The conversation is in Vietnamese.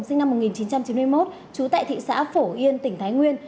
sinh năm một nghìn chín trăm chín mươi một trú tại thị xã phổ yên tỉnh thái nguyên